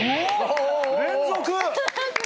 連続！